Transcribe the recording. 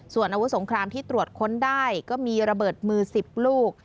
ส่วนอาวุธสงครามที่ตรวจค้นได้ก็มีระเบิดมือ๑๐ลูก